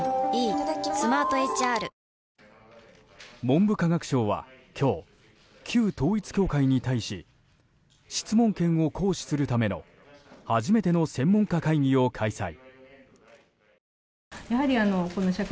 文部科学省は今日旧統一教会に対し質問権を行使するための初めての専門家会議を開催。